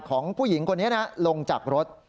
ของผู้หญิงคนนี้นะลงจากรถ